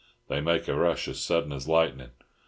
They make a rush as sudden as lightnin'.